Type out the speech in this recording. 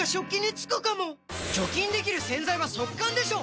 除菌できる洗剤は速乾でしょ！